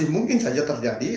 mungkin saja terjadi